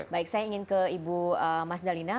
baik saya ingin ke ibu mas dalina